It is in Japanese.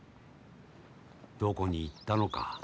どこに行ったのか。